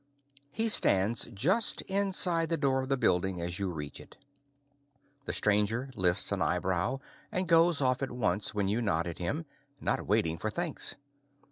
He stands just inside the door of the building as you reach it. The stranger lifts an eyebrow and goes off at once when you nod at him, not waiting for thanks.